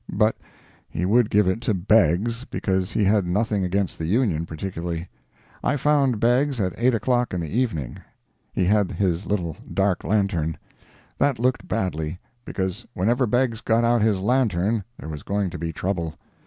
But he would give it to Beggs, because he had nothing against the Union particularly. I found Beggs at 8 o'clock in the evening. He had his little dark lantern. That looked badly. Because whenever Beggs got out his lantern there was going to be trouble.